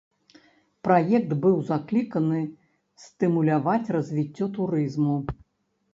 Праект быў закліканы стымуляваць развіццё турызму.